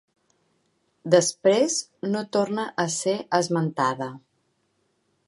Després no torna a ser esmentada.